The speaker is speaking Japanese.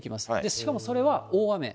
しかもそれは大雨。